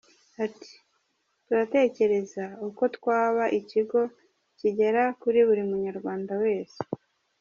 Ati”Turatekereza uko twaba ikigo kigera kuri buri Munyarwanda wese.